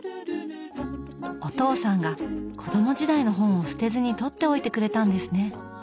お父さんが子供時代の本を捨てずに取っておいてくれたんですね。